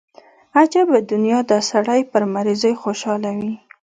عجبه دنيا ده سړى پر مريضۍ خوشاله وي.